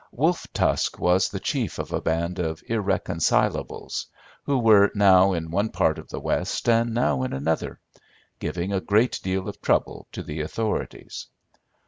Wolf Tusk was the chief of a band of irreconcilables, who were now in one part of the West and now in another, giving a great deal of trouble to the authorities.